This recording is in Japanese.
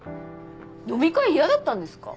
飲み会嫌だったんですか？